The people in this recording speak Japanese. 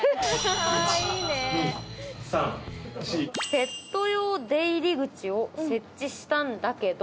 「ペット用出入り口を設置したんだけど」。